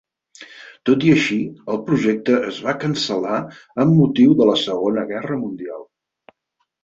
Tot i així, el projecte es va cancel·lar amb motiu de la Segona Guerra Mundial.